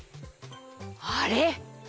あれ？